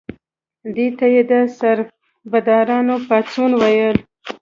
دې ته یې د سربدارانو پاڅون ویل.